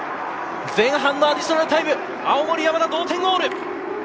前半のアディショナルタイム、青森山田、同点ゴール。